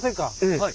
はい。